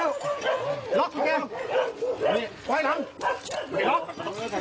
หรออากาศท่านใจพลาด